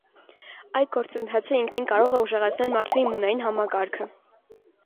Այդ գործընթացը ինքնին կարող է ուժեղացնել մարդու իմունային համակարգը։